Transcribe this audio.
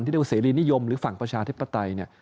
ที่เรียกว่าเสรีนิยมหรือฝั่งประชาธิปไต